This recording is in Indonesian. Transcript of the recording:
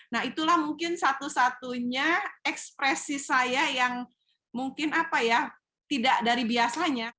nah itulah mungkin satu satunya ekspresi saya yang mungkin apa ya tidak dari biasanya